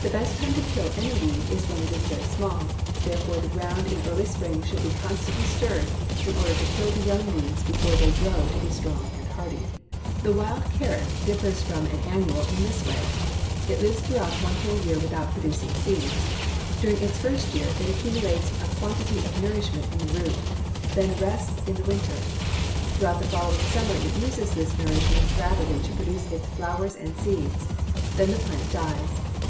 The best time to kill any weed is when it is very small; therefore the ground in early spring should be constantly stirred in order to kill the young weeds before they grow to be strong and hardy. [Illustration: FIG. 57. WILD CARROT] The wild carrot differs from an annual in this way: it lives throughout one whole year without producing seeds. During its first year it accumulates a quantity of nourishment in the root, then rests in the winter. Throughout the following summer it uses this nourishment rapidly to produce its flowers and seeds. Then the plant dies.